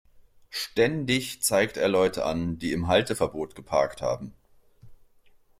Ständig zeigt er Leute an, die im Halteverbot geparkt haben.